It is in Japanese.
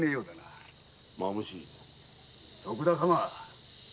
蝮徳田様